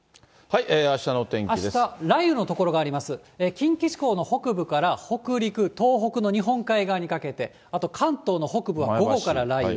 近畿地方の北部から北陸、東北の日本海側にかけて、あと関東の北部は午後から雷雨。